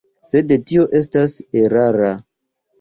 Sed tio estas erara.